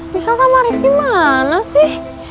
misal sama rifki mana sih